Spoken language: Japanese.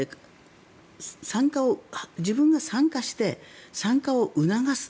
自分が参加して参加を促す。